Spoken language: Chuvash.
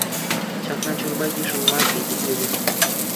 Ҫакна чунпа йышӑнма питӗ йывӑр.